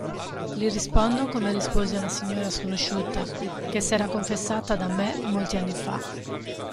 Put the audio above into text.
Gli rispondo come risposi a una signora sconosciuta, che s'era confessata da me molti anni fa.